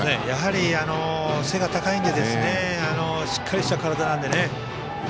やはり背が高いのでしっかりした体なので。